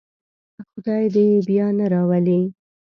خدای دې یې بیا نه راولي.